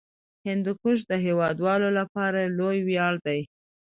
هندوکش د هیوادوالو لپاره لوی ویاړ دی.